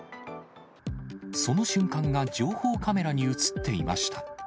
その瞬間が情報カメラに写っていました。